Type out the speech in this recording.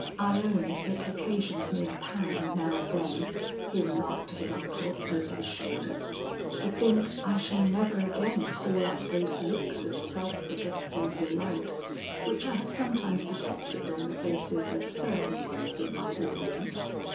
I own it occasions me a pang now and then," he remarked to his uncle over his shoulder, "to think I shall never again call up those looks of self forgetful delight, which I have sometimes detected on the faces of certain ones in my audience."